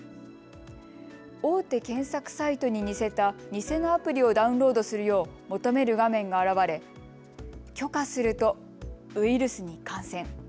大手検索サイトに似せた偽のアプリをダウンロードするよう求める画面が現れ許可するとウイルスに感染。